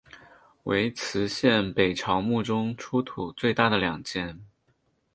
为磁县北朝墓中出土最大的两件。